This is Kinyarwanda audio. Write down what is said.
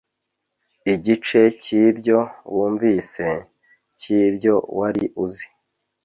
igice cyibyo wumvise, cyibyo wari uzi